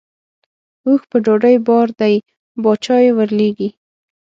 اوښ په ډوډۍ بار دی باچا یې ورلېږي.